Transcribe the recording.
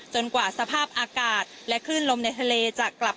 กว่าสภาพอากาศและคลื่นลมในทะเลจะกลับ